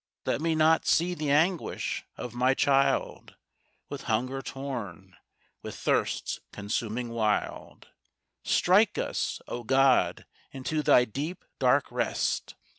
Let me not see the anguish of my child With hunger torn, with thirst's consuming wild, Strike us, oh God, into Thy deep dark Rest!